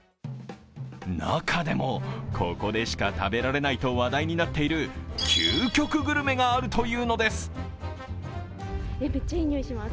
中でも、ここでしか食べられないと話題になっている究極グルメがあるというのです。